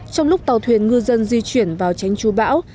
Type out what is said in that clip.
trong lúc tàu thuyền ngư dân di chuyển vào tranh chua bão